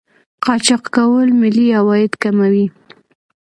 قاچاق کول ملي عواید کموي.